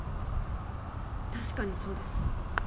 確かにそうです。